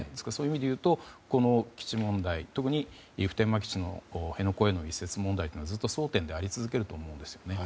そういう意味でいうとこの基地問題特に普天間基地の辺野古への移設問題はずっと争点であり続けると思うんです。